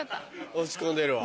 落ち込んでるわ。